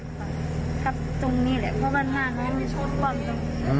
ทับตรงนี้แหละเพราะว่าหน้านั้นมันชดปลอมตรง